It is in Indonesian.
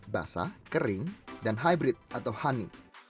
basah kering dan hybrid atau honey